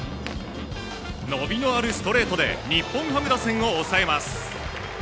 伸びのあるストレートで日本ハム打線を抑えます。